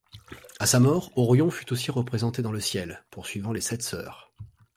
À sa mort, Orion fut aussi représenté dans le ciel, poursuivant les sept sœurs.